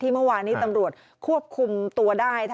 ที่เมื่อวานที่ตำรวจควบคุมตัวได้ทั้งทั้งคนนี้ส่งสัญญาณน้ตองมา๒ล้านกิโภตด้วย